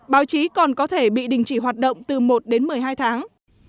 báo chí còn có thể bị đình chỉ hoạt động từ một đến một mươi hai tháng